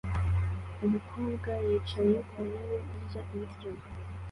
Umukobwa yicaye ku ntebe arya ibiryo